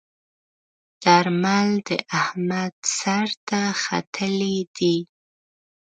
درمل د احمد سر ته ختلي ديی.